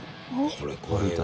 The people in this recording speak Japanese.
これ怖いな。